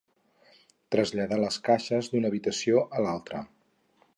Traslladar les caixes d'una habitació a l'altra.